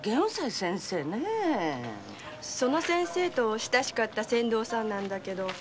その先生と親しかった船頭さんなんだけど。